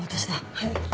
はい。